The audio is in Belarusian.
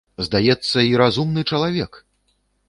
Здаецца, і разумны чалавек!